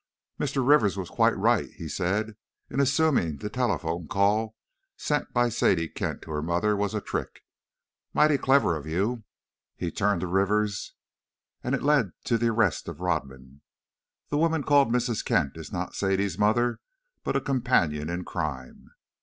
"Mr. Rivers was quite right," he said, "in assuming the telephone call sent by Sadie Kent to her 'mother' was a trick. Mighty clever of you," he turned to Rivers, "and it led to the arrest of Rodman. The woman called Mrs. Kent is not Sadie's mother, but a companion in crime.